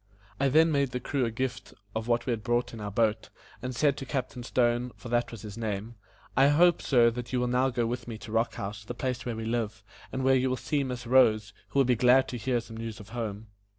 I then made the crew a gift of what we had brought in our boat, and said to Captain Stone, for that was his name: "I hope, sir, that you will now go with me to Rock House, the place where we live, and where you will see Miss Rose, who will be glad to hear some news of home."